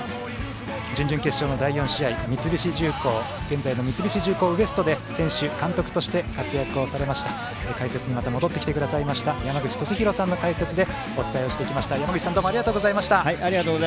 準々決勝の第４試合現在の三菱重工Ｗｅｓｔで選手、監督として活躍をされました解説にまた戻ってきてくださいました山口敏弘さんの解説でお伝えをしてきました、山口さんどうもありがとうございました。